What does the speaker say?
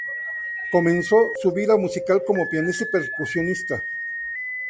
Comenzó su vida musical como pianista y percusionista.